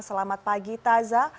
selamat pagi taza